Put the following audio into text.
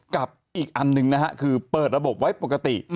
กับอีกอันหนึ่งนะฮะคือเปิดระบบไว้ปกติ